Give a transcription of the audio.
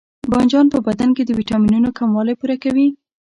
بانجان په بدن کې د ویټامینونو کموالی پوره کوي.